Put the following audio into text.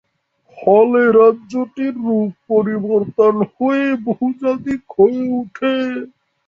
ফলে রাজ্যটির রূপ পরিবর্তন হয়ে বহুজাতিক হয়ে উঠে।